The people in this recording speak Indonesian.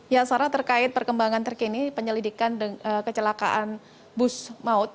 ya sarah terkait perkembangan terkini penyelidikan kecelakaan bus maut